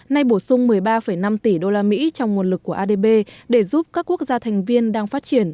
nay bổ sung một mươi ba năm tỷ đô la mỹ trong nguồn lực của adb để giúp các quốc gia thành viên đang phát triển